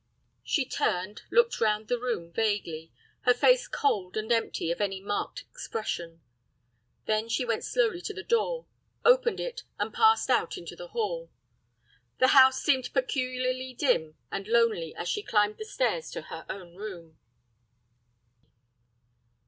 She turned, looked round the room vaguely, her face cold and empty of any marked expression. Then she went slowly to the door, opened it, and passed out into the hall. The house seemed peculiarly dim and lonely as she climbed the stairs to her own room.